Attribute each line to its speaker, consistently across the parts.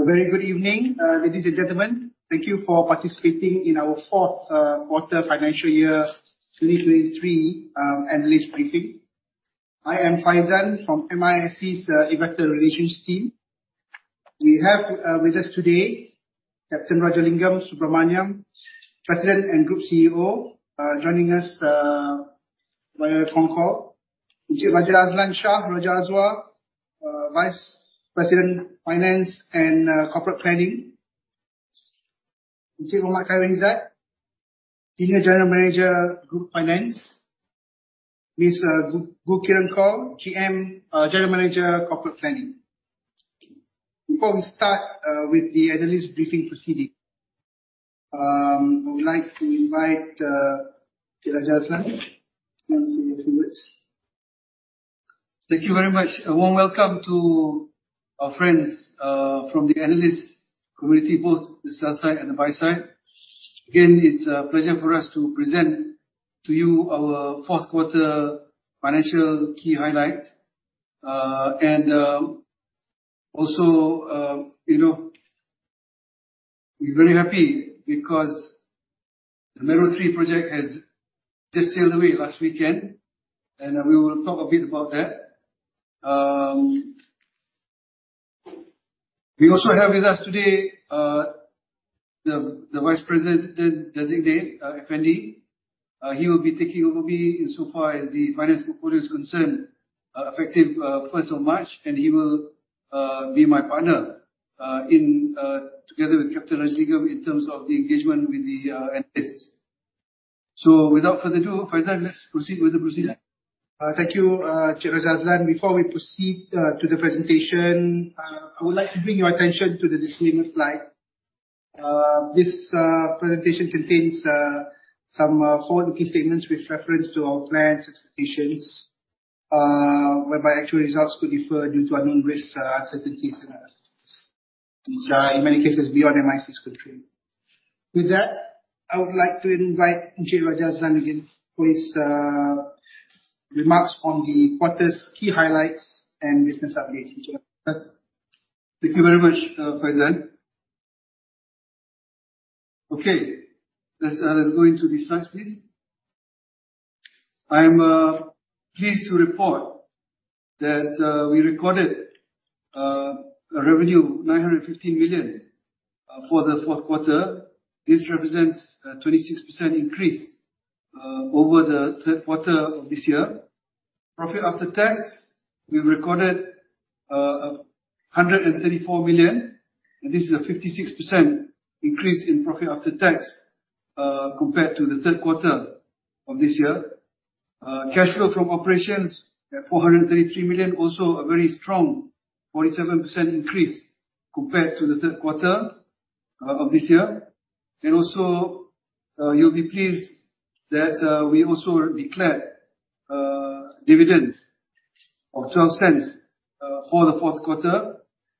Speaker 1: A very good evening, ladies and gentlemen. Thank you for participating in our fourth quarter financial year 2023 analyst briefing. I am Faizan from MISC's Investor Relations team. We have with us today Captain Rajalingam Subramaniam, President and Group CEO, joining us via Hong Kong. Encik Raja Azlan Shah Raja Azwar, Vice President, Finance and Corporate Planning. Encik Mohamed Khairizad, Senior General Manager, Group Finance. Mr. Gu Kiran Kang, General Manager, Corporate Planning. Before we start with the analyst briefing proceeding, I would like to invite Encik Raja Azlan to come and say a few words.
Speaker 2: Thank you very much. A warm welcome to our friends from the analyst community, both the sell side and the buy side. Again, it is a pleasure for us to present to you our fourth quarter financial key highlights. We are very happy because the Mero 3 project has just sailed away last weekend, and we will talk a bit about that. We also have with us today the Vice President designate, Effendi. He will be taking over me insofar as the finance portfolio is concerned, effective 1st of March. He will be my partner together with Captain Rajalingam in terms of the engagement with the analysts. Without further ado, Faizan, let us proceed with the proceeding.
Speaker 1: Thank you, Encik Raja Azlan. Before we proceed to the presentation, I would like to bring your attention to the disclaimer slide. This presentation contains some forward-looking statements with reference to our plans, expectations, whereby actual results could differ due to unknown risks, uncertainties and utterances which are in many cases beyond MISC's control. With that, I would like to invite Encik Raja Azlan again for his remarks on the quarter's key highlights and business updates. Encik Raja Azlan.
Speaker 2: Thank you very much, Faizan. Let us go into the slides, please. I am pleased to report that we recorded a revenue, $915 million for the fourth quarter. This represents a 26% increase over the third quarter of this year. Profit after tax, we have recorded $134 million. This is a 56% increase in profit after tax compared to the third quarter of this year. Cash flow from operations at $433 million, also a very strong 47% increase compared to the third quarter of this year. You will be pleased that we also declared dividends of $0.12 for the fourth quarter,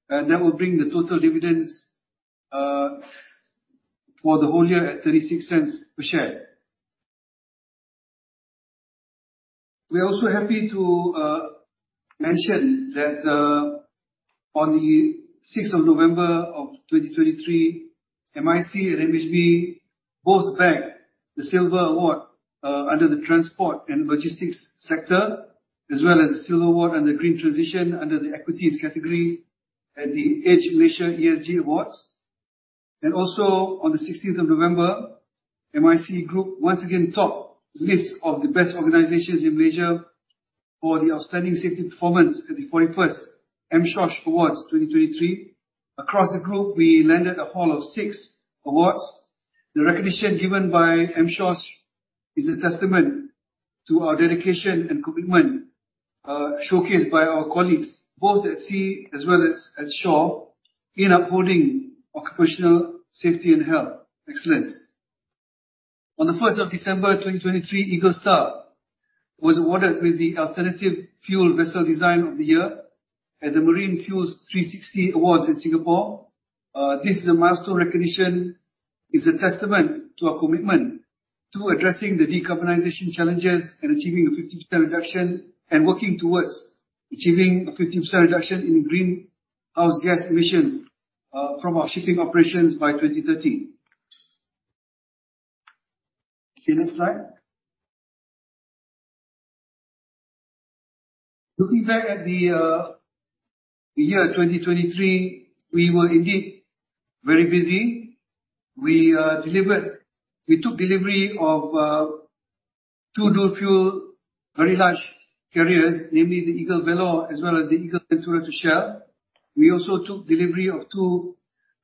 Speaker 2: that will bring the total dividends for the whole year at $0.36 per share. We are also happy to mention that on the 6th of November 2023, MISC and MHB both bagged the Silver Award under the Transport and Logistics sector, as well as the Silver Award under Green Transition under the Equities category at The Edge Malaysia ESG Awards. On the 16th of November, MISC Group once again top list of the best organizations in Malaysia for the outstanding safety performance at the 41st MSOSH Awards 2023. Across the group, we landed a haul of 6 awards. The recognition given by MSOSH is a testament to our dedication and commitment showcased by our colleagues, both at sea as well as at shore, in upholding occupational safety and health excellence. On the 1st of December 2023, Eagle Star was awarded with the Alternative Fuel Vessel Design of the Year at the Marine Fuel 360 Awards in Singapore. This milestone recognition is a testament to our commitment to addressing the decarbonization challenges and achieving a 50% reduction and working towards achieving a 50% reduction in greenhouse gas emissions from our shipping operations by 2030. Next slide. Looking back at the year 2023, we were indeed very busy. We took delivery of 2 dual-fuel very large crude carriers, namely the Eagle Vellore as well as the Eagle Ventura to share. We also took delivery of 2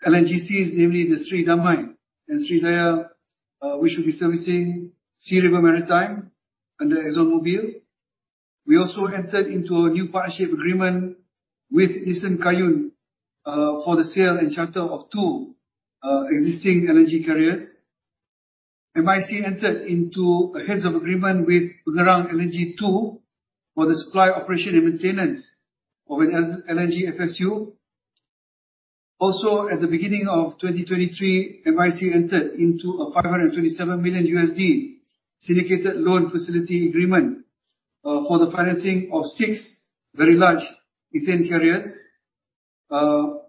Speaker 2: LNGCs, namely the Sri Damai and Sri Daya, which will be servicing SeaRiver Maritime under ExxonMobil. We also entered into a new partnership agreement with Nissen Kaiun for the sale and charter of 2 existing LNG carriers. MISC entered into a heads of agreement with Pengerang LNG2 for the supply, operation, and maintenance of an LNG FSU. Also at the beginning of 2023, MISC entered into a $527 million syndicated loan facility agreement for the financing of 6 Very Large Ethane Carriers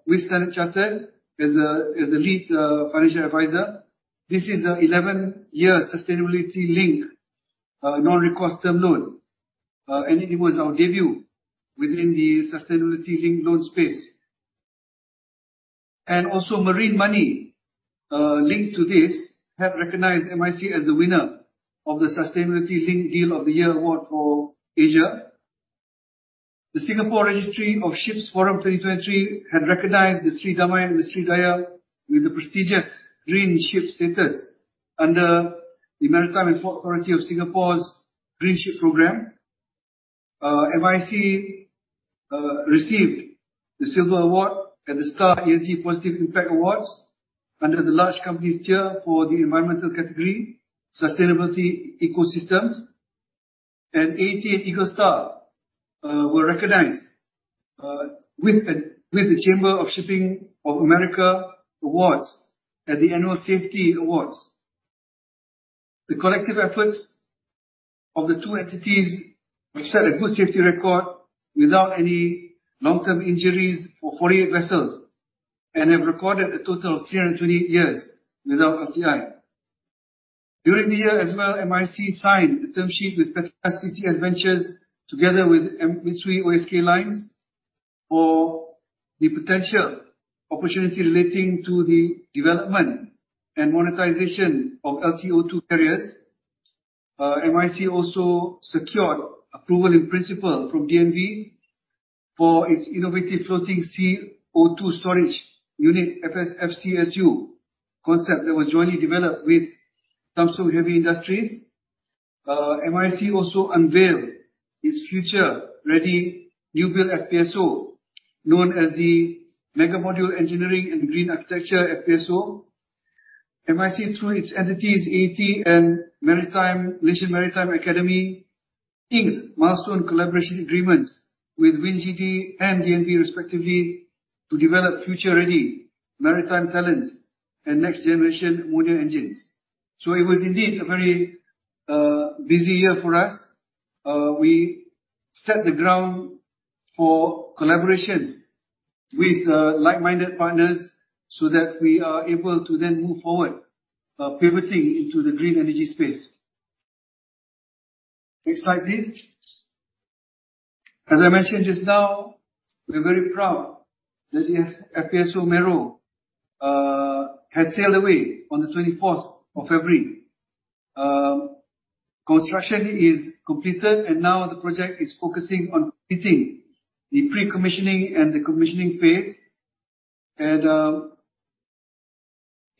Speaker 2: with Standard Chartered as the lead financial advisor. This is an 11-year sustainability-linked non-recourse term loan, and it was our debut within the sustainability-linked loan space. Marine Money linked to this have recognized MISC as the winner of the Sustainability Linked Deal of the Year award for Asia. The Singapore Registry of Ships Forum 2023 had recognized the Sri Damai and the Sri Daya with the prestigious Green Ship status under the Maritime and Port Authority of Singapore's Green Ship Programme. MISC received the Silver Award at The Star ESG Positive Impact Awards under the large companies tier for the environmental category, sustainability ecosystems. AET Eagle Star were recognized with the Chamber of Shipping of America Awards at the Annual Safety Awards. The collective efforts of the 2 entities have set a good safety record without any long-term injuries for 48 vessels and have recorded a total of 328 years without LTI. During the year as well, MISC signed the term sheet with Petrobras CCS Ventures together with Mitsui O.S.K. Lines for the potential opportunity relating to the development and monetization of LCO2 carriers. MISC also secured approval in principle from DNV for its innovative floating CO2 storage unit, FS-FCSU concept that was jointly developed with Samsung Heavy Industries. MISC also unveiled its future-ready newbuild FPSO, known as the Mega-Module Engineering & Green Architecture FPSO. MISC through its entities, AET and Malaysian Maritime Academy, inked milestone collaboration agreements with WinGD and DNV respectively to develop future-ready maritime talents and next generation modular engines. It was indeed a very busy year for us. We set the ground for collaborations with like-minded partners so that we are able to then move forward, pivoting into the green energy space. Next slide please. As I mentioned just now, we are very proud that the FPSO Mero 3 has sailed away on the 24th of February. Construction is completed and now the project is focusing on completing the pre-commissioning and the commissioning phase.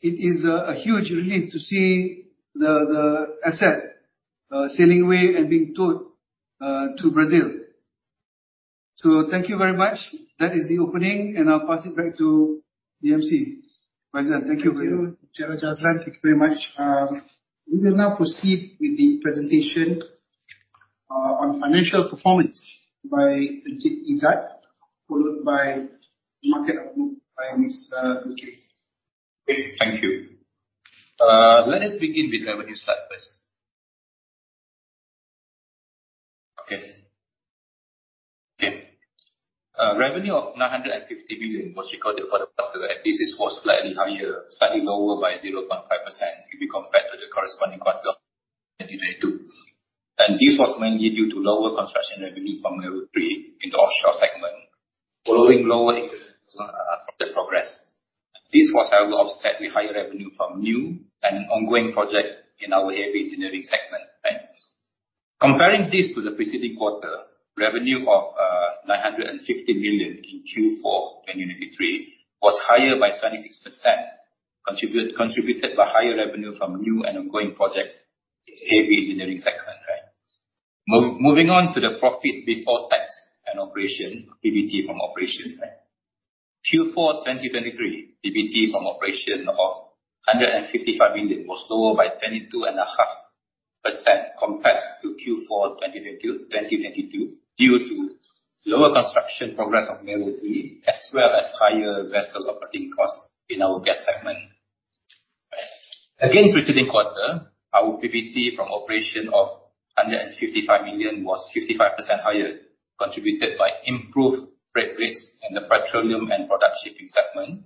Speaker 2: It is a huge relief to see the asset sailing away and being towed to Brazil. Thank you very much. That is the opening, and I'll pass it back to DMC. President, thank you very much.
Speaker 1: Thank you, Chair Rajarathnam. Thank you very much. We will now proceed with the presentation on financial performance by En. Izzat, followed by market outlook by Ms. Bukie.
Speaker 3: Great. Thank you. Let us begin with revenue side first. Revenue of $950 million was recorded for the quarter, and this is slightly lower by 0.5% if you compare to the corresponding quarter in 2022. This was mainly due to lower construction revenue from Mero 3 in the offshore segment following lower project progress. This was however offset with higher revenue from new and ongoing project in our heavy engineering segment. Comparing this to the preceding quarter, revenue of $950 million in Q4 2023 was higher by 36%, contributed by higher revenue from new and ongoing project in heavy engineering segment. Moving on to the profit before tax and operation, PBT from operations. Q4 2023, PBT from operation of $155 million was lower by 22.5% compared to Q4 2022 due to lower construction progress of Mero 3 as well as higher vessel operating cost in our gas segment. Again, preceding quarter, our PBT from operation of $155 million was 55% higher, contributed by improved freight rates in the petroleum and product shipping segment,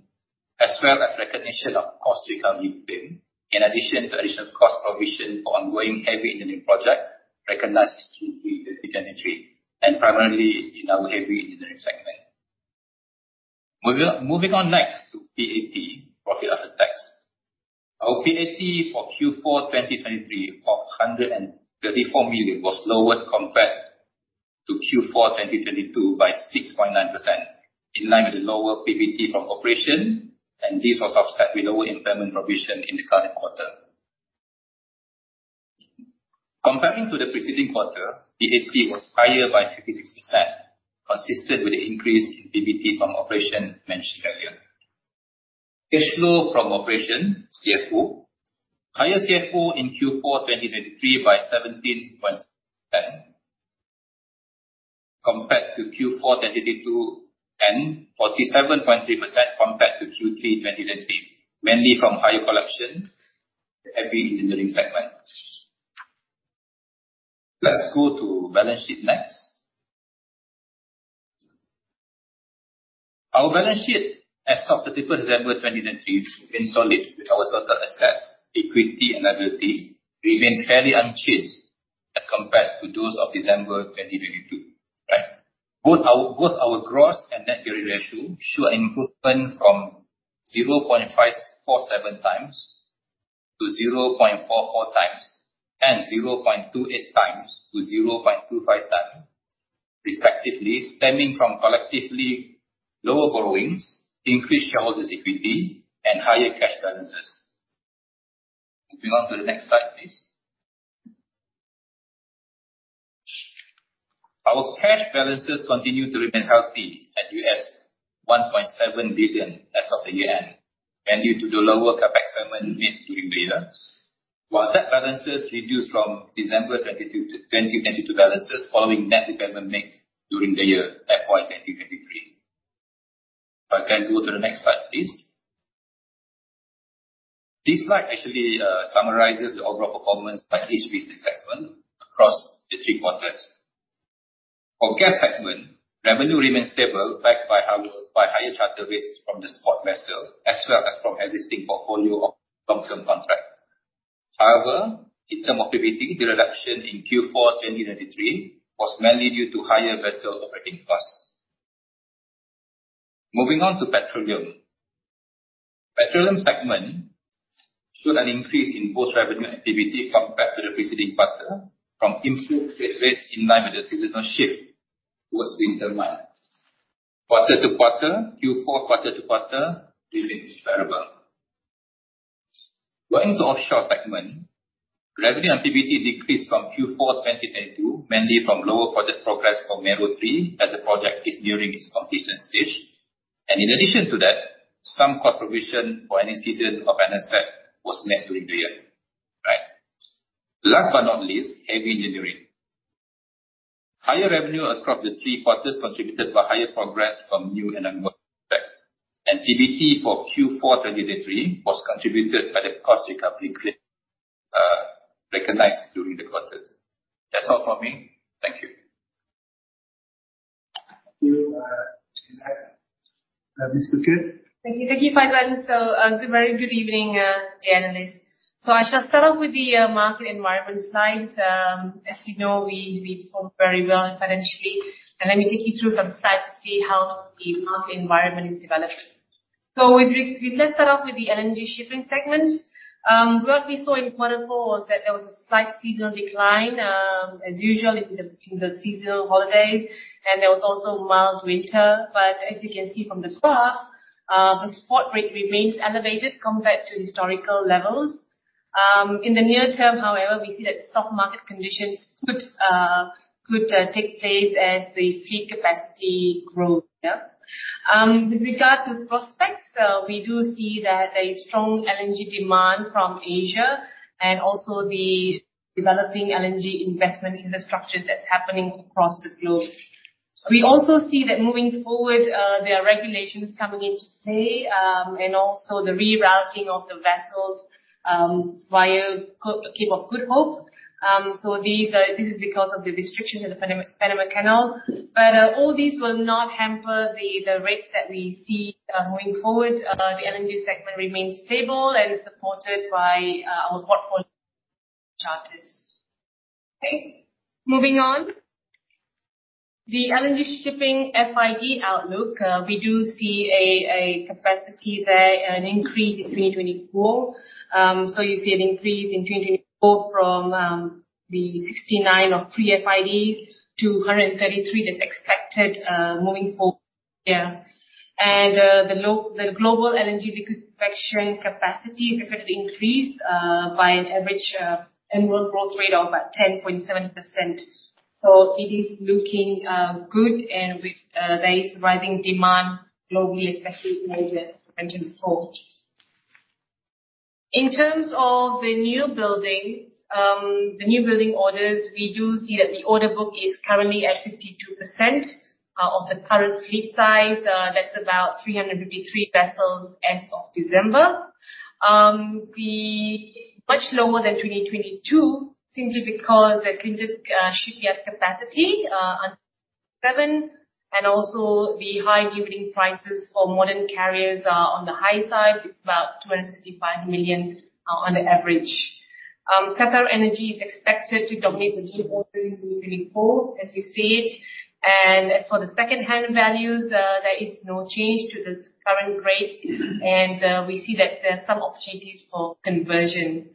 Speaker 3: as well as recognition of cost recovery claim, in addition to additional cost provision for ongoing heavy engineering project recognized in Q3 2023 and primarily in our heavy engineering segment. Moving on next to PAT, profit after tax. Our PAT for Q4 2023 of $134 million was lower compared to Q4 2022 by 6.9%, in line with the lower PBT from operation, and this was offset with lower impairment provision in the current quarter. Comparing to the preceding quarter, PAT was higher by 56%, consistent with the increase in PBT from operation mentioned earlier. Cash flow from operation, CFO. Higher CFO in Q4 2023 by 17.7% Compared to Q4 2022, and 47.3% compared to Q3 2023, mainly from higher collections, the heavy engineering segment. Let's go to balance sheet next. Our balance sheet as of 31st December 2023 remains solid with our total assets, equity, and liabilities remain fairly unchanged as compared to those of December 2022. Both our gross and net gearing ratio show an improvement from 0.547 times to 0.44 times, and 0.28 times to 0.25 times respectively, stemming from collectively lower borrowings, increased shareholder equity, and higher cash balances. Moving on to the next slide, please. Our cash balances continue to remain healthy at $1.7 billion as of the year-end, mainly due to the lower CapEx payment made during the year. While debt balances reduced from December 2022 balances following net repayment made during the year FY 2023. If I can go to the next slide, please. This slide actually summarizes the overall performance by each business segment across the three quarters. For gas segment, revenue remains stable, backed by higher charter rates from the spot vessel as well as from existing portfolio of long-term contracts. However, in terms of EBITDA, the reduction in Q4 2023 was mainly due to higher vessel operating costs. Moving on to petroleum. Petroleum segment showed an increase in both revenue and EBITDA compared to the preceding quarter from improved trade rates in line with the seasonal shift towards winter months. Quarter to quarter, Q4, remaining stable. Going to offshore segment, revenue and EBITDA decreased from Q4 2022, mainly from lower project progress for Mero 3 as the project is nearing its completion stage. In addition to that, some cost provision for antecedent of an asset was made during the year. Last but not least, heavy engineering. Higher revenue across the three quarters contributed by higher progress from new and ongoing contracts. EBITDA for Q4 2023 was contributed by the cost recovery claim recognized during the quarter. That's all from me. Thank you.
Speaker 1: Thank you. Ms. Sufian.
Speaker 4: Thank you. Thank you, Faizhan. Good evening, the analysts. I shall start off with the market environment slides. As you know, we performed very well financially. Let me take you through some slides to see how the market environment is developing. Let's start off with the LNG shipping segment. What we saw in quarter four was that there was a slight seasonal decline, as usual in the seasonal holidays, and there was also mild winter. As you can see from the graph, the spot rate remains elevated compared to historical levels. In the near term, however, we see that soft market conditions could take place as the fleet capacity grows. With regard to prospects, we do see that a strong LNG demand from Asia and also the developing LNG investment infrastructures that's happening across the globe. We also see that moving forward, there are regulations coming into play, and also the rerouting of the vessels via Cape of Good Hope. This is because of the restrictions of the Panama Canal. All these will not hamper the rates that we see moving forward. The LNG segment remains stable and is supported by our portfolio charters. Moving on. The LNG shipping FID outlook, we do see a capacity there, an increase in 2024. You see an increase in 2024 from the 69 of pre-FIDs to 133 that's expected moving forward. The global LNG liquefaction capacity is expected to increase by an average annual growth rate of about 10.7%. It is looking good and there is rising demand globally, especially in Asia as mentioned before. In terms of the new buildings, the new building orders, we do see that the order book is currently at 52% of the current fleet size. That's about 353 vessels as of December. Much lower than 2022, simply because there's limited shipyard capacity under seven, and also the high building prices for modern carriers are on the high side. It's about $265 million on average. QatarEnergy is expected to dominate the newbuilding in 2024, as you see it. As for the secondhand values, there is no change to the current rates. We see that there are some opportunities for conversion.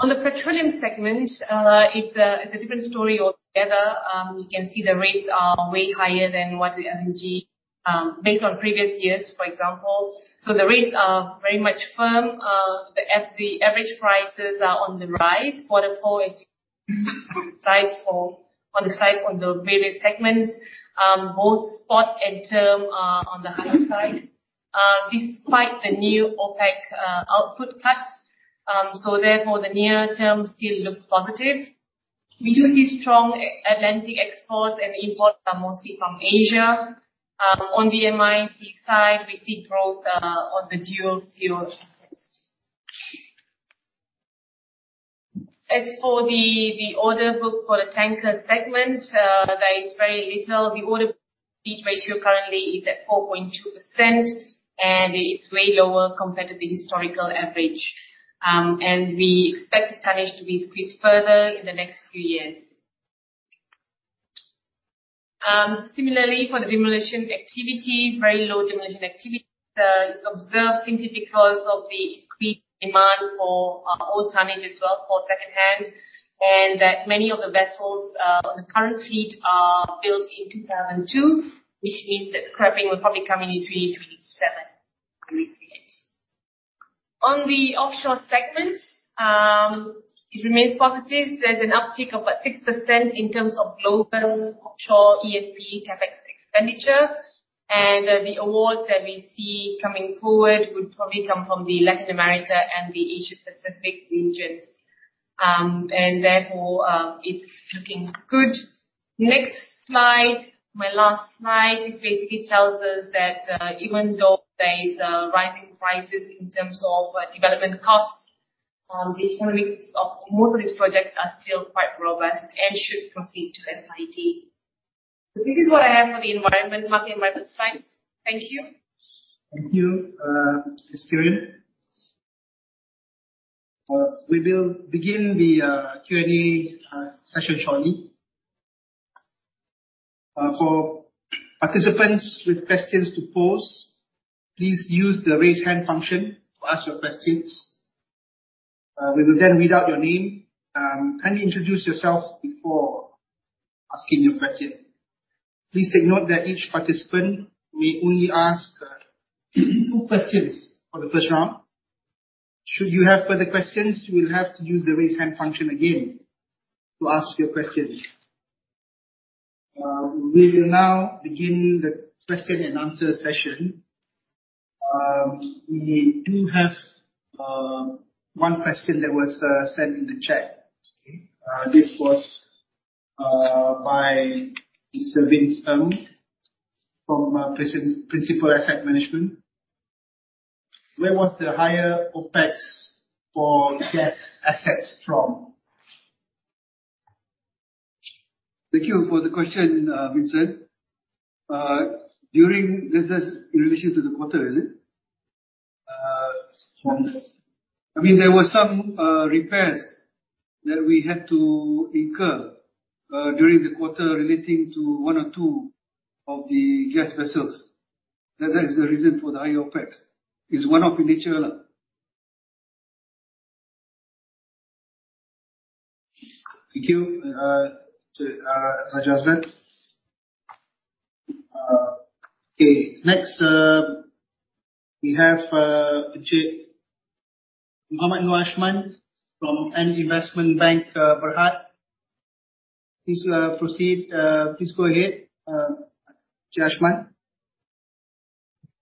Speaker 4: On the petroleum segment, it's a different story altogether. We can see the rates are way higher than what the LNG, based on previous years, for example. The rates are very much firm. The average prices are on the rise. Quarter four is on the rise on the various segments. Both spot and term are on the higher side. Despite the new OPEC output cuts. Therefore, the near term still looks positive. We do see strong Atlantic exports and imports are mostly from Asia. On the MISC side, we see growth on the dual CO2. As for the order book for the tanker segment, there is very little. The order book ratio currently is at 4.2%, and it is way lower compared to the historical average. We expect the tonnage to be squeezed further in the next few years. Demolition activities, very low demolition activity is observed simply because of the increased demand for old tonnage as well for second-hand, and that many of the vessels on the current fleet are built in 2002, which means that scrapping will probably come in 2027, we see it. On the offshore segment, it remains positive. There's an uptick of about 6% in terms of global offshore E&P CapEx expenditure. The awards that we see coming forward would probably come from Latin America and the Asia-Pacific regions. Therefore, it's looking good. Next slide. My last slide, this basically tells us that even though there is a rising prices in terms of development costs, the economics of most of these projects are still quite robust and should proceed to FID. This is what I have for the environment, health and safety slide. Thank you.
Speaker 1: Thank you, Ms. Karen. We will begin the Q&A session shortly. For participants with questions to pose, please use the raise hand function to ask your questions. We will then read out your name. Kindly introduce yourself before asking your question. Please take note that each participant may only ask two questions for the first round. Should you have further questions, you will have to use the raise hand function again to ask your questions. We will now begin the question and answer session. We do have one question that was sent in the chat. Okay. This was by Mr. Vince Ng from Principal Asset Management. Where was the higher OpEx for gas assets from?
Speaker 2: Thank you for the question, Vincent. During business in relation to the quarter, is it?
Speaker 1: Yes.
Speaker 2: I mean, there were some repairs that we had to incur during the quarter relating to one or two of the gas vessels. That is the reason for the higher OpEx. It's one-off in nature.
Speaker 1: Thank you, Azlan. Okay. Next, we have Encik Mohammad Nor Ashman from Investment Bank Berhad. Please proceed. Please go ahead, Ashman.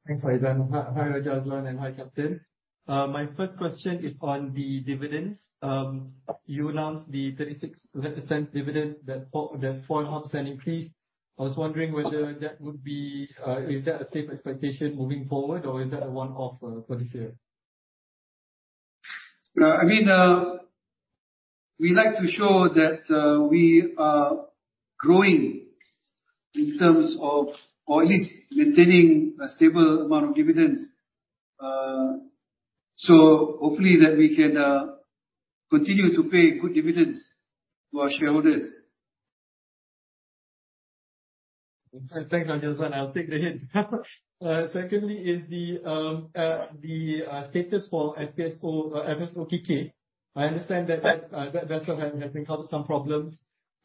Speaker 5: Thanks. Hi, Azlan, and hi, Captain. My first question is on the dividends. You announced the 36% dividend, that 4% increase. I was wondering whether is that a safe expectation moving forward, or is that a one-off for this year?
Speaker 2: We like to show that we are growing in terms of at least maintaining a stable amount of dividends. Hopefully that we can continue to pay good dividends to our shareholders.
Speaker 5: Thanks, Azlan. I'll take the hint. Secondly, is the status for FPSO Kikeh. I understand that vessel has encountered some problems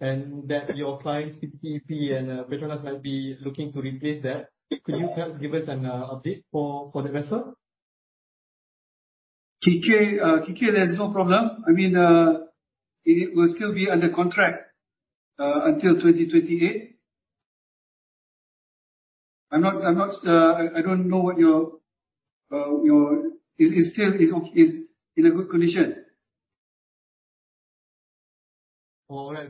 Speaker 5: and that your clients, PTTEP and PETRONAS, might be looking to replace that. Could you perhaps give us an update for that vessel?
Speaker 2: KK, there's no problem. It will still be under contract until 2028. It still is in a good condition.
Speaker 5: All right.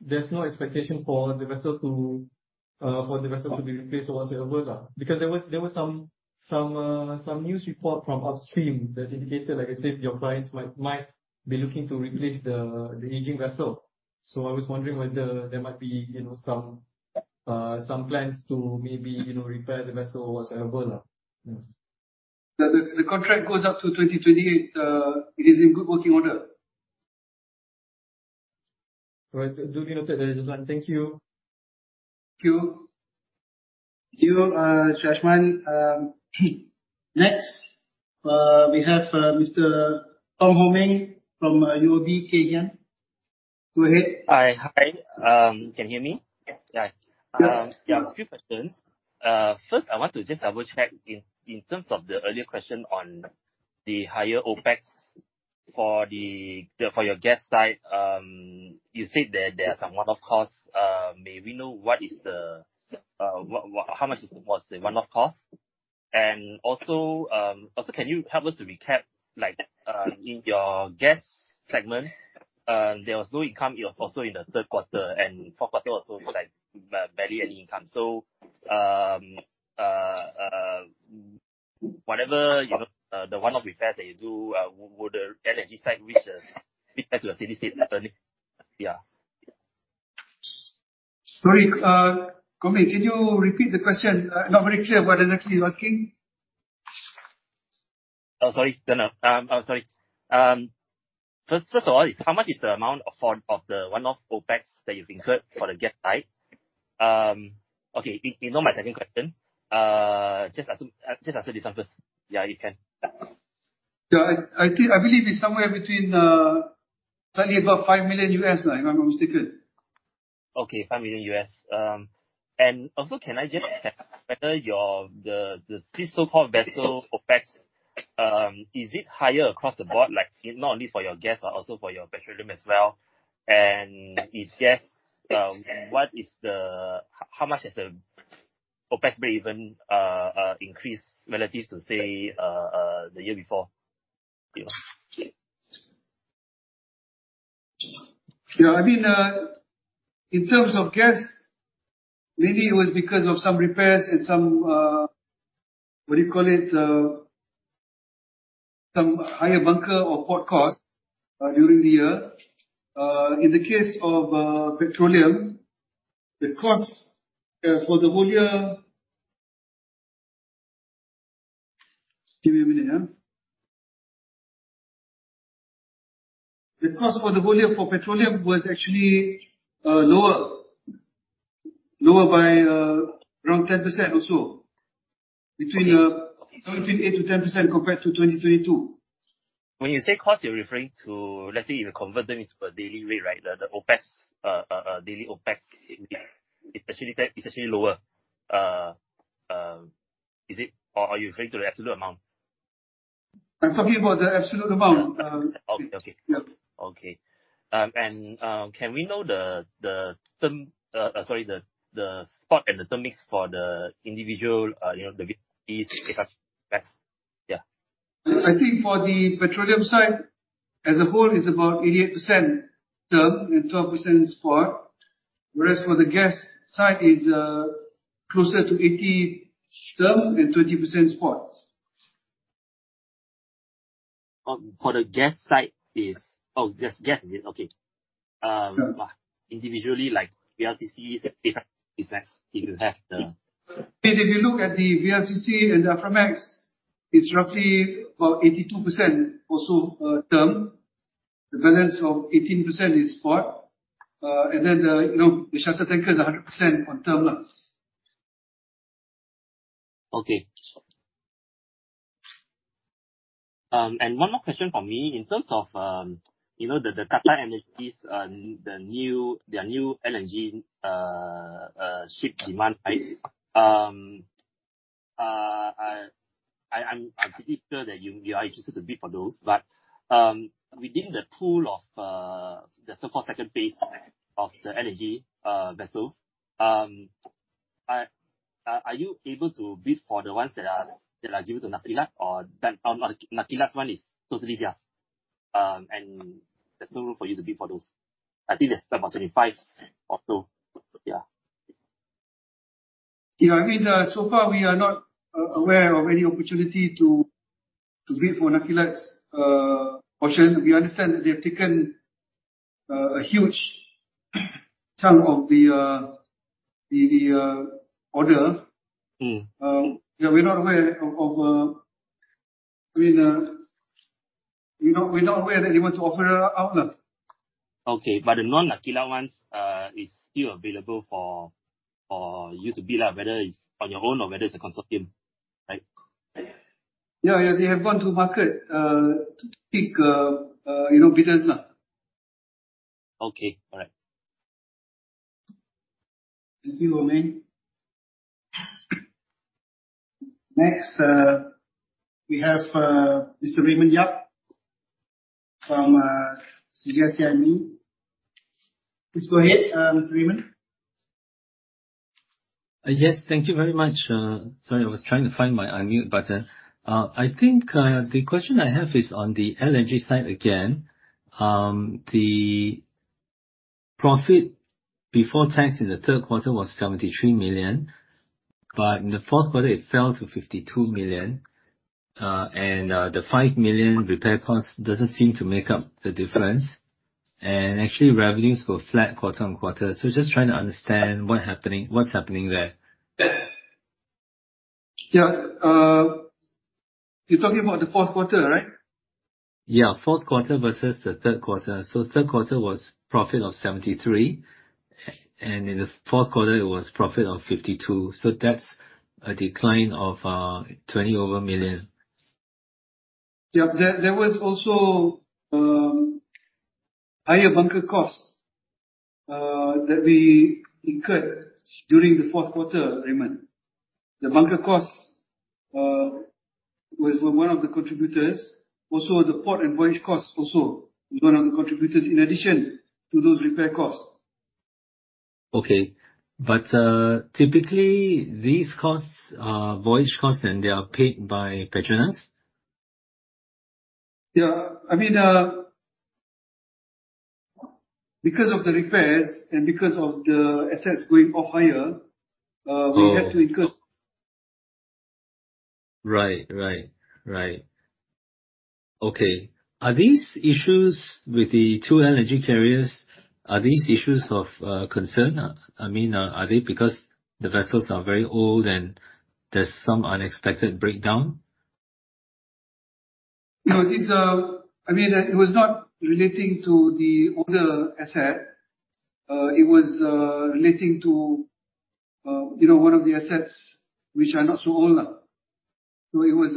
Speaker 5: There's no expectation for the vessel to be replaced or whatsoever? Because there was some news report from upstream that indicated, like I said, your clients might be looking to replace the aging vessel. I was wondering whether there might be some plans to maybe repair the vessel or whatsoever.
Speaker 2: The contract goes up to 2028. It is in good working order.
Speaker 5: All right. Duly noted. Thank you.
Speaker 1: Thank you. Mr. Ashman. Next, we have Mr. Kong Ho Meng from UOB Kay Hian. Go ahead.
Speaker 6: Hi. Can you hear me?
Speaker 1: Yes.
Speaker 6: Yeah. A few questions. First, I want to just double-check in terms of the earlier question on the higher OpEx. For your gas side, you said that there are some one-off costs. May we know how much was the one-off cost? Can you help us to recap, in your gas segment, there was no income. It was also in the third quarter, and fourth quarter also it's barely any income. Whatever the one-off repairs that you do, would the LNG side which feed back to the steady state happen? Yeah.
Speaker 2: Sorry, Kong. Can you repeat the question? Not very clear what exactly you're asking.
Speaker 6: Oh, sorry. No. First of all, how much is the amount of the one-off OpEx that you've incurred for the gas side? Okay. Ignore my second question. Just answer this one first. Yeah, you can.
Speaker 2: Yeah. I believe it's somewhere between slightly above $5 million, if I'm not mistaken.
Speaker 6: Okay. $5 million. Also, can I just ask whether the so-called vessel OpEx, is it higher across the board? Not only for your gas, but also for your petroleum as well. If yes, how much has the OpEx even increased relative to, say, the year before?
Speaker 2: Yeah. In terms of gas, really, it was because of some repairs and some, what do you call it, some higher bunker or port cost during the year. In the case of petroleum, the cost for the whole year Just give me a minute. The cost for the whole year for petroleum was actually lower. Lower by around 10% or so. Between 8%-10% compared to 2022.
Speaker 6: When you say cost, you're referring to, let's say you convert them into a daily rate, right? The OpEx, daily OpEx is actually lower. Is it? Or are you referring to the absolute amount?
Speaker 2: I'm talking about the absolute amount.
Speaker 6: Okay.
Speaker 2: Yep.
Speaker 6: Okay. Can we know the spot and the term mix for the individual, the
Speaker 2: I think for the petroleum side, as a whole, it's about 88% term and 12% spot. Whereas for the gas side is closer to 80% term and 20% spot.
Speaker 6: For the gas side. Oh, gas is it? Okay.
Speaker 2: Yeah.
Speaker 6: Individually, like VLCC, different mix if you have.
Speaker 2: If you look at the VLCC and the Aframax, it's roughly about 82% also term. The balance of 18% is spot. Then the shuttle tanker is 100% on term.
Speaker 6: Okay. One more question from me, in terms of the QatarEnergy, their new LNG ship demand. I'm pretty sure that you are interested to bid for those, but within the pool of the so-called second base of the energy vessels, are you able to bid for the ones that are given to Nakilat, or Nakilat's one is totally theirs, and there's no room for you to bid for those? I think there's about 25 or so. Yeah.
Speaker 2: Yeah. So far, we are not aware of any opportunity to bid for Nakilat's portion. We understand that they've taken a huge chunk of the order. We're not aware that they want to offer out.
Speaker 6: Okay. The non-Nakilat ones is still available for you to bid, whether it's on your own or whether it's a consortium, right?
Speaker 2: Yeah. They have gone to market to pick bidders.
Speaker 6: Okay. All right.
Speaker 2: Thank you, Kong. Next, we have Mr. Raymond Yap from CGS-CIMB. Please go ahead, Mr. Raymond.
Speaker 7: Yes. Thank you very much. Sorry, I was trying to find my unmute button. I think the question I have is on the LNG side again. The profit before tax in the third quarter was $73 million, but in the fourth quarter it fell to $52 million. The $5 million repair cost doesn't seem to make up the difference. Actually, revenues were flat quarter-on-quarter. Just trying to understand what's happening there.
Speaker 2: Yeah. You're talking about the fourth quarter, right?
Speaker 7: Yeah. Fourth quarter versus the third quarter. Third quarter was profit of $73 million, and in the fourth quarter it was profit of $52 million. That's a decline of $20 over million.
Speaker 2: Yep. There was higher bunker costs that we incurred during the fourth quarter, Raymond. The bunker costs were one of the contributors. The port and voyage costs also were one of the contributors in addition to those repair costs.
Speaker 7: Okay. Typically, these voyage costs, they are paid by PETRONAS?
Speaker 2: Yeah. Because of the repairs and because of the assets going off-hire, we had to incur.
Speaker 7: Right. Okay. Are these issues with the two energy carriers, are these issues of concern? Are they because the vessels are very old and there's some unexpected breakdown?
Speaker 2: No. It was not relating to the older asset. It was relating to one of the assets which are not so old. It was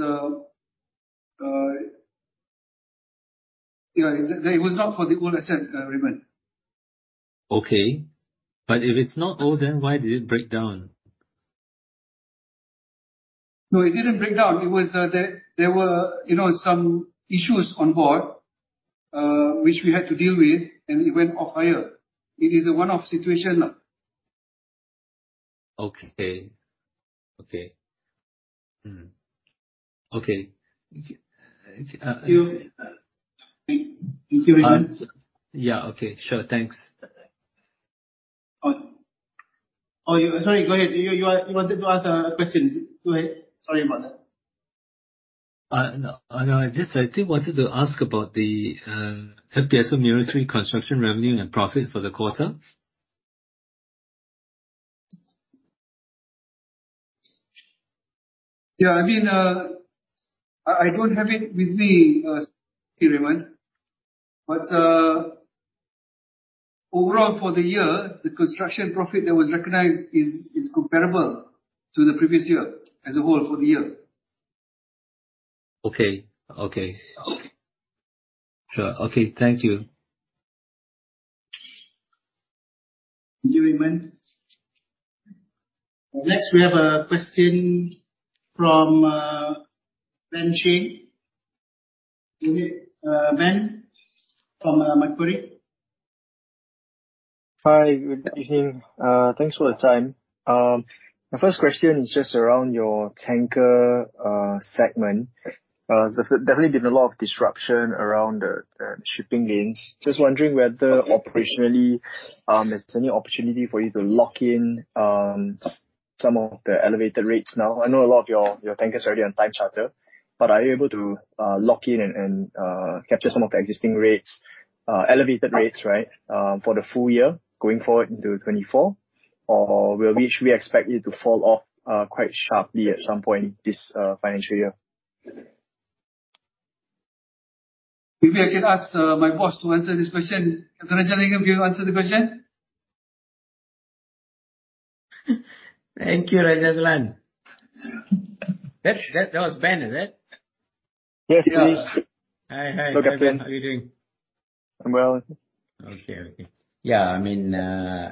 Speaker 2: not for the old asset, Raymond.
Speaker 7: Okay. If it's not old, then why did it break down?
Speaker 2: No, it didn't break down. There were some issues on board, which we had to deal with, and it went off-hire. It is a one-off situation.
Speaker 7: Okay. Mm-hmm. Okay.
Speaker 2: Thank you, Raymond.
Speaker 7: Yeah. Okay, sure. Thanks.
Speaker 2: Oh, sorry. Go ahead. You wanted to ask a question. Go ahead. Sorry about that.
Speaker 7: I just wanted to ask about the FPSO Mero 3 construction revenue and profit for the quarter.
Speaker 2: I don't have it with me, Raymond. Overall for the year, the construction profit that was recognized is comparable to the previous year as a whole for the year.
Speaker 8: Okay. Sure. Okay. Thank you.
Speaker 2: Thank you, Raymond. Next, we have a question from Ben Cheng. Go ahead, Ben, from Macquarie.
Speaker 9: Hi. Good evening. Thanks for the time. My first question is just around your tanker segment. There's definitely been a lot of disruption around the shipping lanes. Just wondering whether operationally, there's any opportunity for you to lock in some of the elevated rates now. I know a lot of your tankers are already on time charter, but are you able to lock in and capture some of the existing rates, elevated rates for the full year going forward into 2024? Or should we expect it to fall off quite sharply at some point this financial year?
Speaker 2: Maybe I can ask my boss to answer this question. Rajalingam, can you answer the question?
Speaker 8: Thank you, Rajan. That was Ben, is it?
Speaker 9: Yes, it is.
Speaker 8: Hi. How are you doing?
Speaker 9: I'm well.
Speaker 8: Okay. Yeah.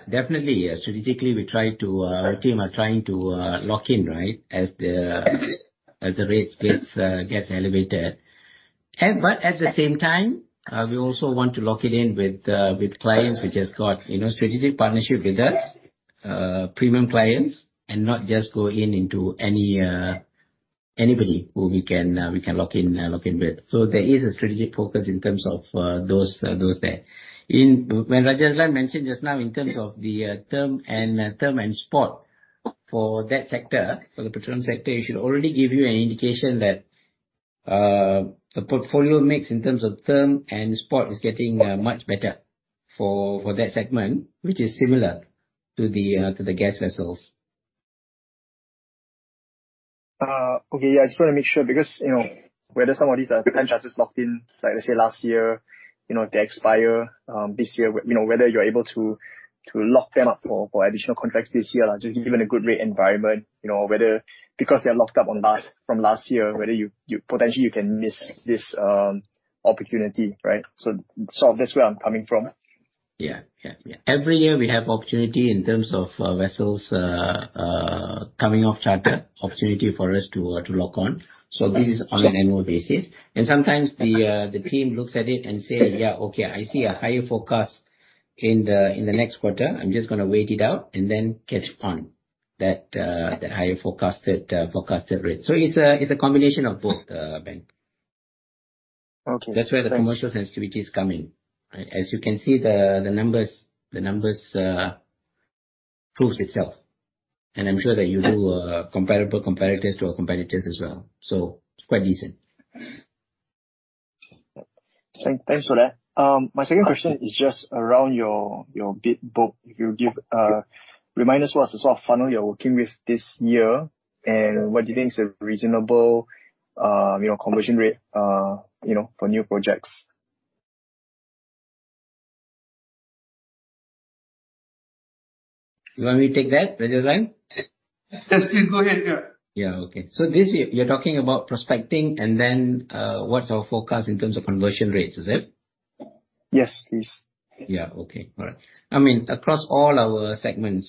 Speaker 8: Definitely, strategically, our team are trying to lock in as the rates gets elevated. At the same time, we also want to lock it in with clients which has got strategic partnership with us, premium clients, and not just go in into anybody who we can lock in with. There is a strategic focus in terms of those there. When Rajan mentioned just now in terms of the term and spot for the petroleum sector, it should already give you an indication that the portfolio mix in terms of term and spot is getting much better for that segment, which is similar to the gas vessels.
Speaker 9: Okay. Yeah, I just want to make sure, whether some of these are time charters locked in, like let's say last year, they expire this year. Whether you're able to lock them up for additional contracts this year, just given a good rate environment. They're locked up from last year, whether potentially you can miss this opportunity. That's where I'm coming from.
Speaker 8: Yeah. Every year we have opportunity in terms of vessels coming off charter, opportunity for us to lock on. This is on an annual basis. Sometimes the team looks at it and say, "Yeah, okay, I see a higher forecast in the next quarter. I'm just going to wait it out and then catch on that higher forecasted rate." It's a combination of both, Ben.
Speaker 9: Okay.
Speaker 8: That's where the commercial sensitivity is coming. As you can see, the numbers proves itself. I'm sure that you do comparable comparators to our competitors as well. Quite decent.
Speaker 9: Thanks for that. My second question is just around your bid book. Remind us what's the sort of funnel you're working with this year, what do you think is a reasonable conversion rate for new projects?
Speaker 8: You want me to take that, Prajilan?
Speaker 1: Yes, please go ahead. Yeah.
Speaker 8: Yeah. Okay. This, you're talking about prospecting and then what's our forecast in terms of conversion rates, is it?
Speaker 1: Yes, please.
Speaker 8: Yeah. Okay. All right. Across all our segments,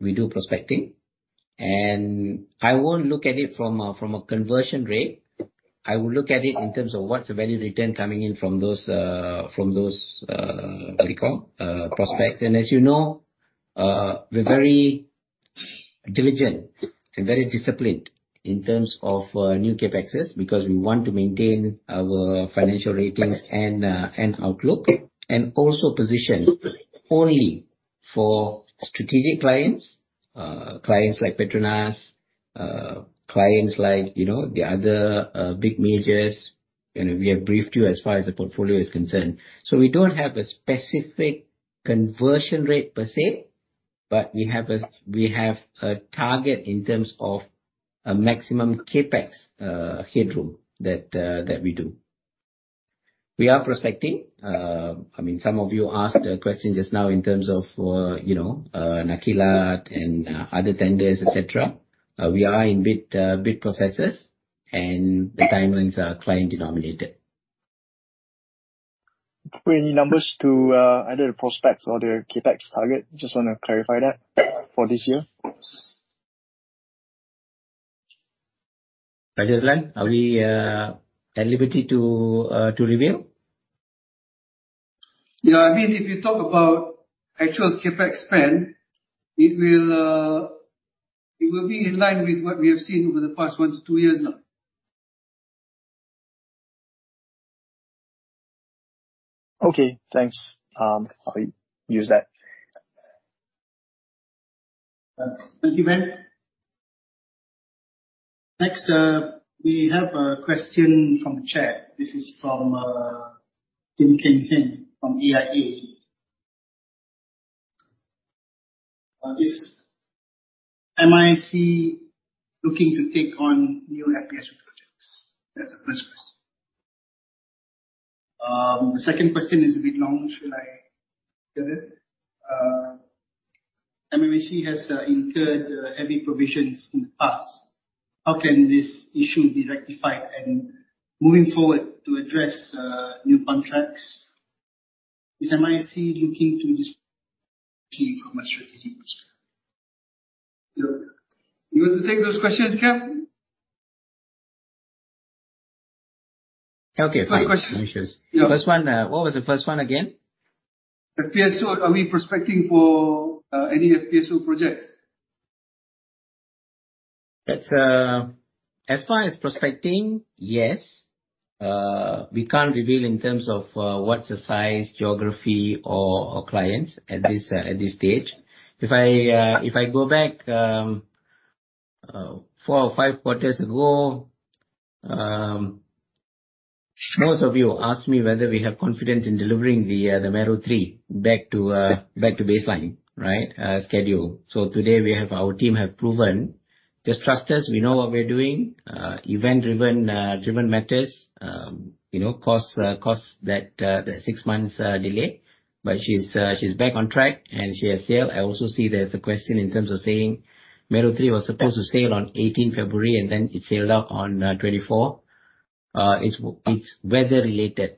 Speaker 8: we do prospecting. I won't look at it from a conversion rate. I would look at it in terms of what's the value return coming in from those, what do you call, prospects. As you know, we're very diligent and very disciplined in terms of new CapExs, because we want to maintain our financial ratings and outlook, and also position only for strategic clients like PETRONAS, clients like the other big majors, we have briefed you as far as the portfolio is concerned. We don't have a specific conversion rate per se, but we have a target in terms of a maximum CapEx headroom that we do. We are prospecting. Some of you asked a question just now in terms of Nakilat and other tenders, et cetera. We are in bid processes, and the timelines are client-denominated.
Speaker 1: Put any numbers to either the prospects or the CapEx target. Just want to clarify that for this year.
Speaker 8: Prajilan, are we at liberty to reveal?
Speaker 1: Yeah. If you talk about actual CapEx spend, it will be in line with what we have seen over the past one to two years now.
Speaker 8: Okay, thanks. I'll use that.
Speaker 1: Thank you, Ben. Next, we have a question from the chat. This is from Ting Ken Hhin from AIA. Is MISC looking to take on new FPSO projects? That's the first question. The second question is a bit long. Should I read it? MHB has incurred heavy provisions in the past. How can this issue be rectified and moving forward to address new contracts? Is MISC looking to dispose MHB from a strategic perspective? You want to take those questions, Kev?
Speaker 8: Okay, fine. No issues.
Speaker 1: First question. Yeah.
Speaker 8: First one. What was the first one again?
Speaker 1: FPSO, are we prospecting for any FPSO projects?
Speaker 8: As far as prospecting, yes. We can't reveal in terms of what's the size, geography or clients at this stage. If I go back four or five quarters ago, most of you asked me whether we have confidence in delivering the Mero 3 back to baseline schedule. Today, our team have proven. Just trust us, we know what we're doing. Event-driven matters cause that six months delay. She's back on track, and she has sailed. I also see there's a question in terms of saying Mero 3 was supposed to sail on 18 February, and then it sailed out on 24. It's weather-related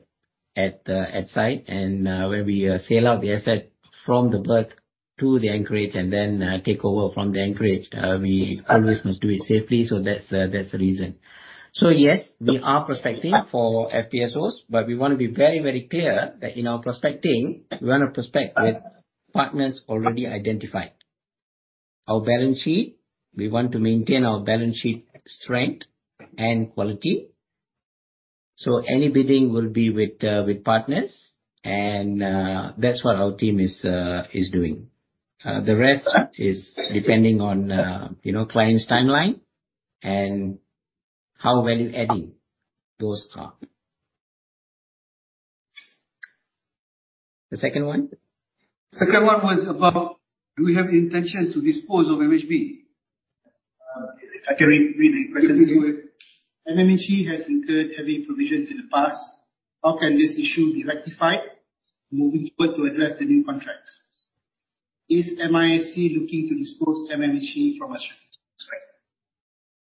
Speaker 8: at site. Where we sail out the asset from the berth to the anchorage and then take over from the anchorage, we always must do it safely. That's the reason. Yes, we are prospecting for FPSOs, we want to be very clear that in our prospecting, we want to prospect with partners already identified. Our balance sheet, we want to maintain our balance sheet strength and quality. Any bidding will be with partners, and that's what our team is doing. The rest is depending on client's timeline and how value-adding those are. The second one?
Speaker 1: Second one was about do we have intention to dispose of MHB? I can read the question. MHB has incurred heavy provisions in the past. How can this issue be rectified moving forward to address the new contracts? Is MISC looking to dispose MHB from a strategic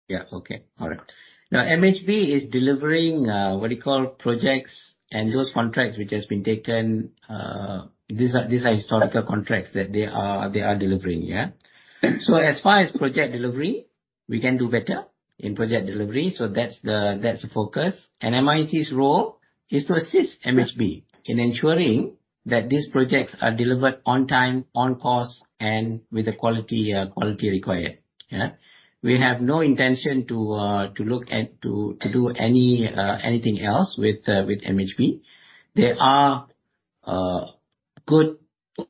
Speaker 1: perspective?
Speaker 8: MHB is delivering, what do you call, projects and those contracts which has been taken. These are historical contracts that they are delivering. As far as project delivery, we can do better in project delivery. That's the focus. MISC's role is to assist MHB in ensuring that these projects are delivered on time, on cost, and with the quality required. We have no intention to do anything else with MHB. There are good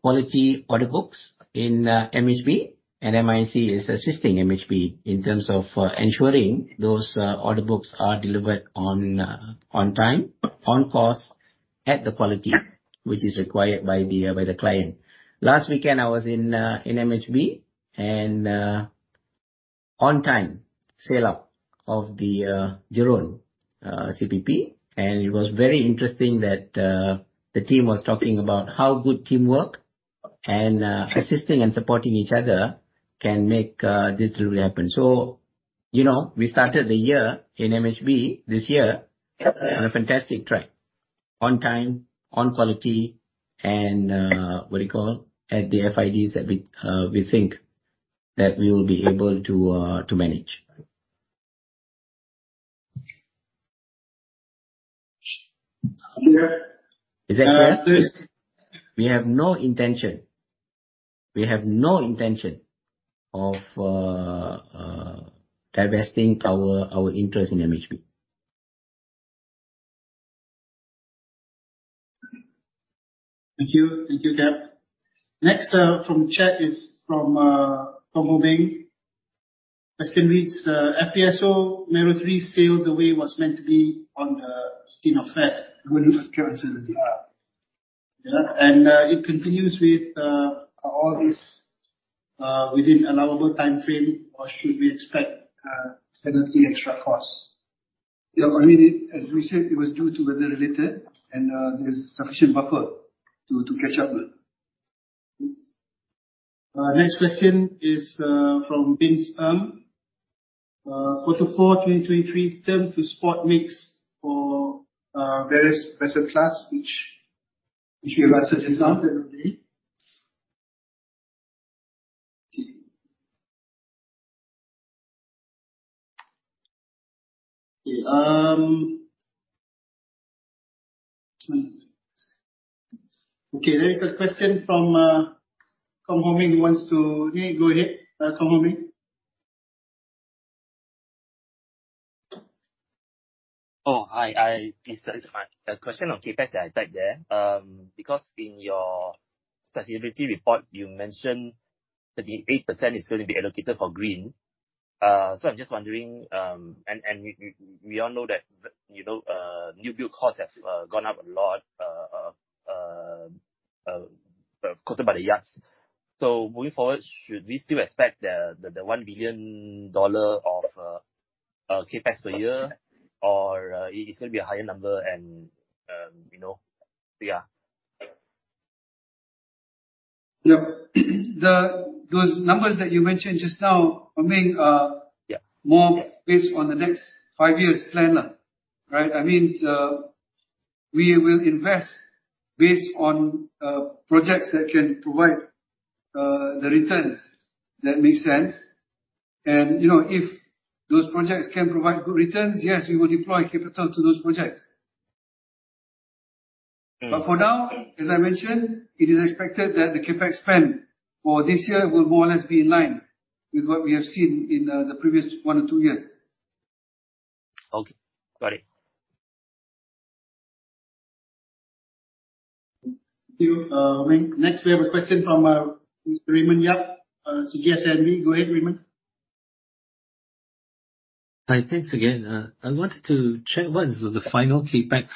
Speaker 8: quality order books in MHB, and MISC is assisting MHB in terms of ensuring those order books are delivered on time, on cost, at the quality which is required by the client. Last weekend, I was in MHB. On time sail out of the Jerudong CPP. It was very interesting that the team was talking about how good teamwork and assisting and supporting each other can make this delivery happen. We started the year in MHB, this year, on a fantastic track. On time, on quality, and at the FIDs that we think that we will be able to manage.
Speaker 2: Kap.
Speaker 8: Is that clear? We have no intention of divesting our interest in MHB.
Speaker 2: Thank you, Kap. Next from chat is from Kong Ho Beng. Question reads, "FPSO Mero 3 sailed away was meant to be on the in effect." Weather occurrence. It continues with, all this within allowable timeframe or should we expect penalty extra cost? As we said, it was due to weather related and there's sufficient buffer to catch up with. Next question is from Bin Sng. Quarter 4 2023 term to spot mix for various vessel class, which your vessel design generally. There is a question from Kong Ho Beng wants to Go ahead, Kong Ho Beng.
Speaker 6: Oh, hi. A question on CapEx that I typed there. In your sustainability report you mentioned 38% is going to be allocated for green. I'm just wondering, we all know that new build cost has gone up a lot quoted by the yards. Moving forward, should we still expect the $1 billion of CapEx per year or it's going to be a higher number?
Speaker 2: Those numbers that you mentioned just now, Ho Beng-
Speaker 6: Yeah
Speaker 2: more based on the next five years plan. Right? We will invest based on projects that can provide the returns that make sense. If those projects can provide good returns, yes, we will deploy capital to those projects. For now, as I mentioned, it is expected that the CapEx spend for this year will more or less be in line with what we have seen in the previous one or two years.
Speaker 6: Okay. Got it.
Speaker 2: Thank you, Ho Beng. We have a question from Mr. Raymond Yap. CGS-CIMB. Go ahead, Raymond.
Speaker 7: Hi. Thanks again. I wanted to check what is the final CapEx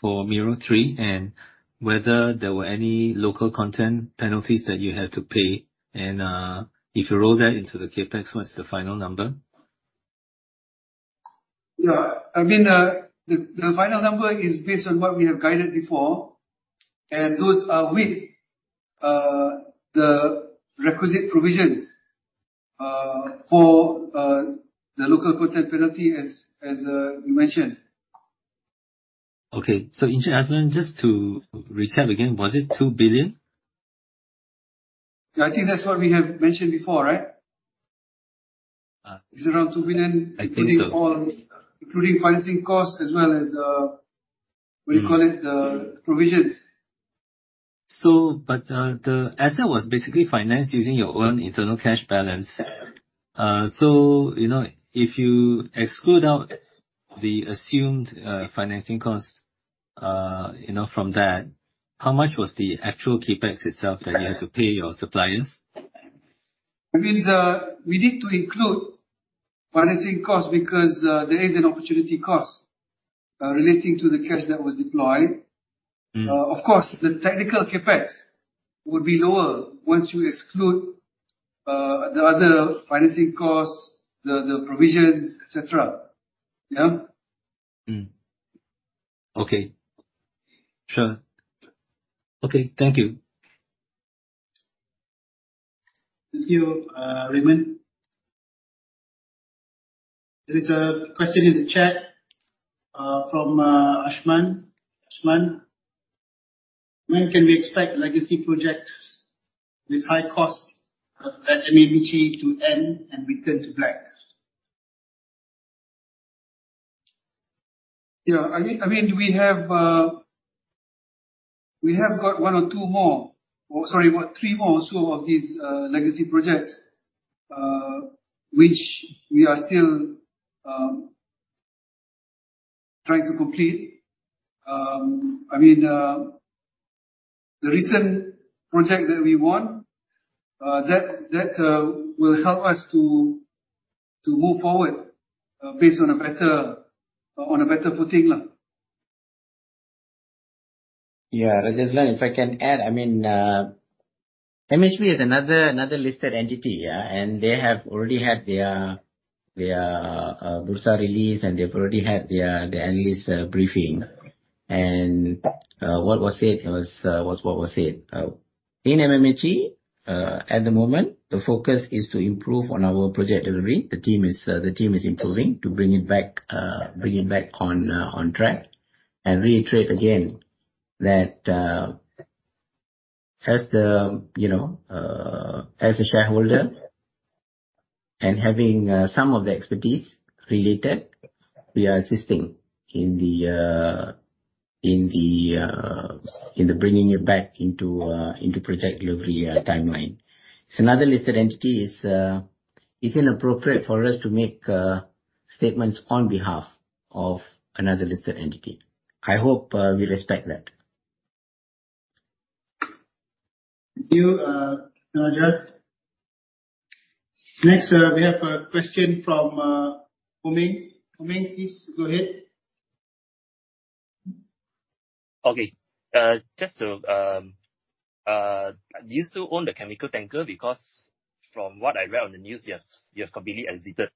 Speaker 7: for Mero 3 and whether there were any local content penalties that you had to pay. If you roll that into the CapEx, what's the final number?
Speaker 2: Yeah. The final number is based on what we have guided before. Those are with the requisite provisions for the local content penalty as you mentioned.
Speaker 7: Okay. In essence, just to recap again, was it $2 billion?
Speaker 2: Yeah, I think that's what we have mentioned before, right? It's around $2 billion.
Speaker 7: I think so.
Speaker 2: including all financing costs as well as, we call it, the provisions.
Speaker 7: The asset was basically financed using your own internal cash balance.
Speaker 2: Yeah.
Speaker 7: If you exclude out the assumed financing cost from that, how much was the actual CapEx itself that you had to pay your suppliers?
Speaker 2: We need to include financing cost because there is an opportunity cost relating to the cash that was deployed. Of course, the technical CapEx would be lower once you exclude the other financing costs, the provisions, et cetera. Yeah?
Speaker 7: Mm-hmm. Okay. Sure. Okay. Thank you.
Speaker 2: Thank you, Raymond. There is a question in the chat from Ashman. Ashman, when can we expect legacy projects with high cost at MHB to end and return to black? We have got about three more or so of these legacy projects which we are still trying to complete. The recent project that we won, that will help us to move forward based on a better footing.
Speaker 8: Rajeswaran, if I can add, MHB is another listed entity. They have already had their Bursa release, and they've already had their analyst briefing. What was said was what was said. In MHB, at the moment, the focus is to improve on our project delivery. The team is improving to bring it back on track. Reiterate again that as a shareholder and having some of the expertise related, we are assisting in the bringing it back into project delivery timeline. It's another listed entity. It's inappropriate for us to make statements on behalf of another listed entity. I hope we respect that.
Speaker 2: Thank you, Tan Rajes. Next, we have a question from Ho Meng. Ho Meng, please go ahead.
Speaker 6: Okay. Do you still own the chemical tanker because from what I read on the news, you have completely exited.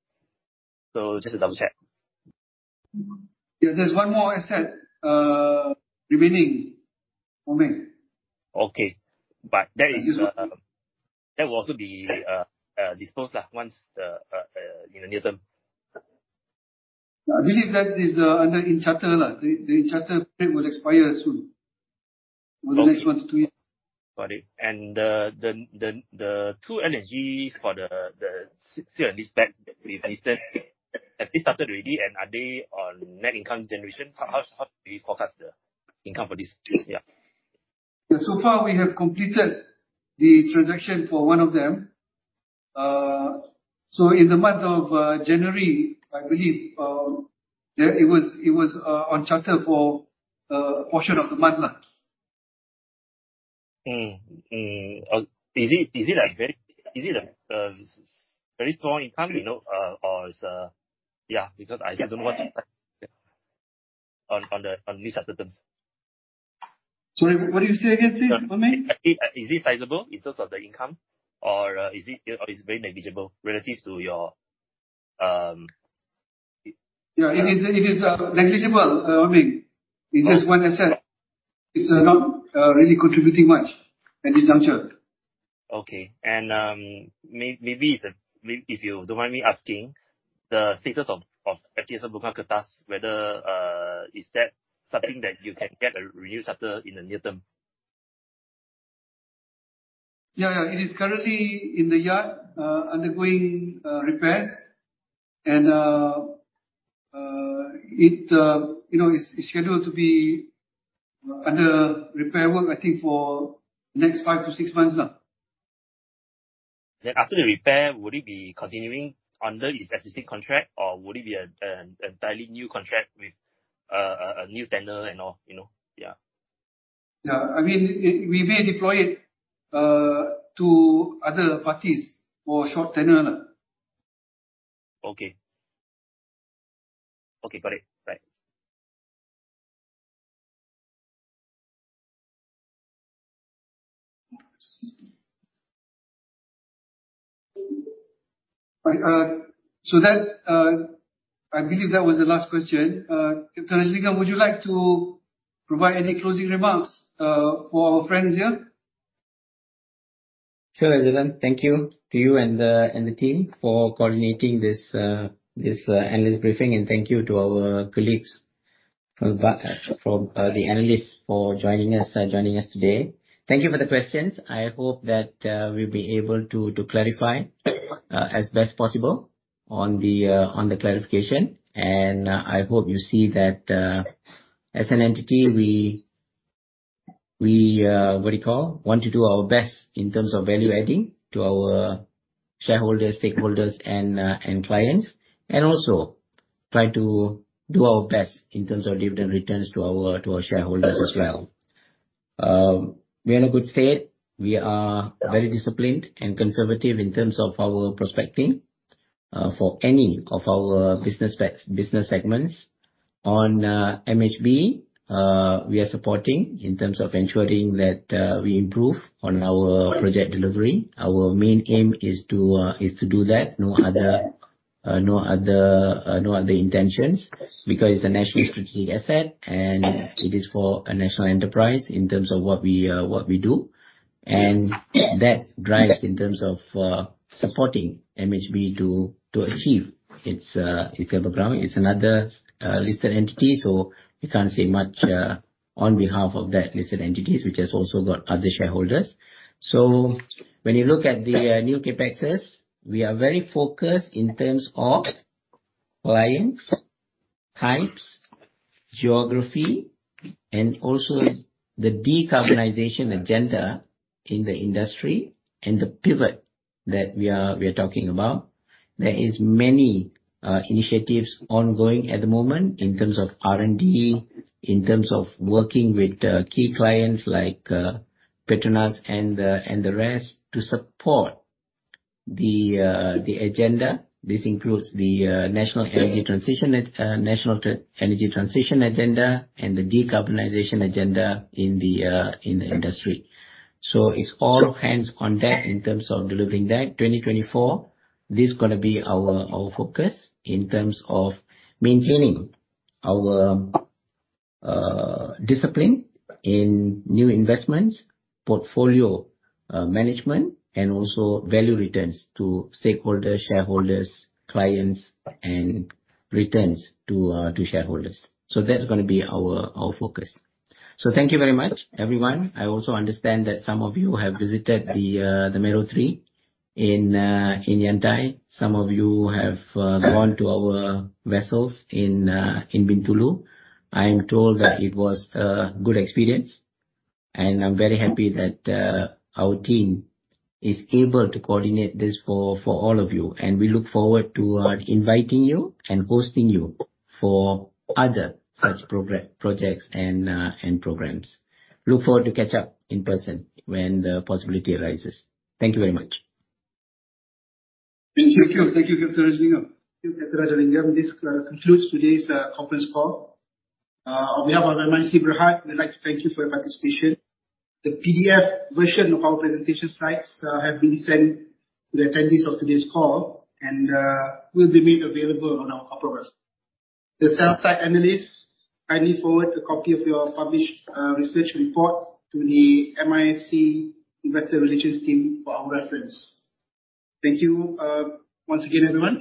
Speaker 6: Just to double-check.
Speaker 2: Yeah, there's one more asset remaining, Ho Meng.
Speaker 6: Okay. That will also be disposed of in the near term.
Speaker 2: I believe that is under in charter. The in charter bit will expire soon. In the next one to two years.
Speaker 6: Got it. The two LNGs for the Sri Damai and Sri Daya that we've listed, have they started already and are they on net income generation? How do we forecast the income for this year?
Speaker 2: Far, we have completed the transaction for one of them. In the month of January, I believe, it was on charter for a portion of the month.
Speaker 6: Is it a very strong income or is Yeah, because I still don't want to touch on this at the moment.
Speaker 2: Sorry, what did you say again, please, Ho Meng?
Speaker 6: Is it sizable in terms of the income or is it very negligible?
Speaker 2: Yeah, it is negligible, Ho Meng. It's just one asset. It's not really contributing much at this juncture.
Speaker 6: Okay. Maybe if you don't mind me asking, the status of Kapitan Bukit Kepong, whether is that something that you can get a renew charter in the near term?
Speaker 2: Yeah. It is currently in the yard undergoing repairs. It's scheduled to be under repair work, I think, for the next five to six months now.
Speaker 6: After the repair, would it be continuing under its existing contract or would it be an entirely new contract with a new tenderer and all? Yeah.
Speaker 2: Yeah. We may deploy it to other parties for a short tenure.
Speaker 6: Okay. Got it. Right.
Speaker 2: I believe that was the last question. Captain Rajalingam, would you like to provide any closing remarks for our friends here?
Speaker 8: Sure, Rajeswaran. Thank you to you and the team for coordinating this analyst briefing. Thank you to our colleagues from the analysts for joining us today. Thank you for the questions. I hope that we'll be able to clarify as best possible on the clarification. I hope you see that, as an entity, we, what do you call, want to do our best in terms of value-adding to our shareholders, stakeholders and clients. Also try to do our best in terms of dividend returns to our shareholders as well. We are in a good state. We are very disciplined and conservative in terms of our prospecting for any of our business segments. On MHB, we are supporting in terms of ensuring that we improve on our project delivery. Our main aim is to do that, no other intentions, because it's a national strategic asset, and it is for a national enterprise in terms of what we do. That drives in terms of supporting MHB to achieve its delivery. It's another listed entity, so we can't say much on behalf of that listed entity, which has also got other shareholders. When you look at the new CapExes, we are very focused in terms of clients, types, geography, and also the decarbonization agenda in the industry and the pivot that we are talking about. There is many initiatives ongoing at the moment in terms of R&D, in terms of working with key clients like Petronas and the rest to support the agenda. This includes the National Energy Transition Roadmap and the decarbonization agenda in the industry. It's all hands on deck in terms of delivering that. 2024, this is going to be our focus in terms of maintaining our discipline in new investments, portfolio management, and also value returns to stakeholders, shareholders, clients, and returns to shareholders. That's going to be our focus. Thank you very much, everyone. I also understand that some of you have visited the Mero 3 in Yantai. Some of you have gone to our vessels in Bintulu. I am told that it was a good experience, and I'm very happy that our team is able to coordinate this for all of you. We look forward to inviting you and hosting you for other such projects and programs. Look forward to catch up in person when the possibility arises. Thank you very much.
Speaker 2: Thank you. Thank you, Captain Rajasingam. This concludes today's conference call. On behalf of MISC Berhad, we'd like to thank you for your participation. The PDF version of our presentation slides have been sent to the attendees of today's call and will be made available on our corporate website. The sell-side analysts, kindly forward a copy of your published research report to the MISC Investor Relations team for our reference. Thank you once again, everyone.